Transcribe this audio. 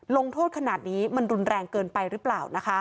ลงโทษขนาดนี้มันรุนแรงเกินไปหรือเปล่านะคะ